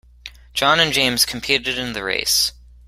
John and James competed in the race